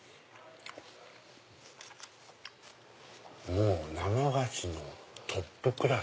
もう生菓子のトップクラス。